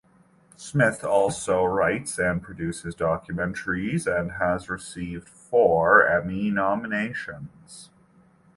Smith also writes and produces documentaries and has received four Emmy nominations.